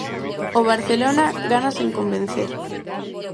O Barcelona gana sen convencer.